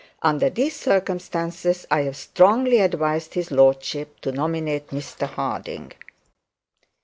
Under these circumstances I have strongly advised his lordship to nominate Mr Harding.'